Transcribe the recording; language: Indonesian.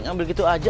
ngambil gitu aja